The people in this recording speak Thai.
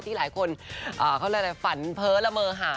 ที่หลายคนเขาเลยฝันเพ้อละเมอหานะคะ